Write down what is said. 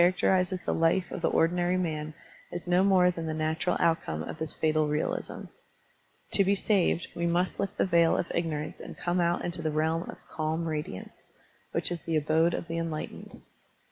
Digitized by Google I20 SERMONS OP A BUDDHIST ABBOT acterizes the life of the ordinary man is no more than the natural outcome of this fatal realism. To be saved, we must lift the veil of ignorance and come out into the realm of "calm radiance/' which is the abode of the enlightened.